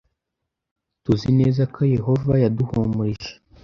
Tuzi neza ko Yehova yaduhumurije